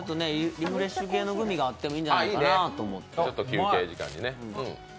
リフレッシュ系のグミがあってもいいんじゃないかなと。